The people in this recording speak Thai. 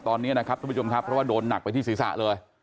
ตอนนี้นะครับทุกผู้ชมครับเพราะว่าโดนหนักไปที่ศีรษะเลย